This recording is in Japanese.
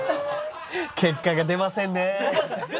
結果が出ませんねえ。